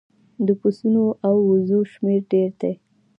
د پسونو او وزو شمیر ډیر دی